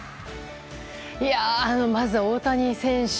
まずは大谷選手。